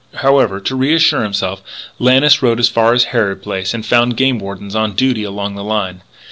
However, to reassure himself, Lannis rode as far as Harrod Place, and found game wardens on duty along the line.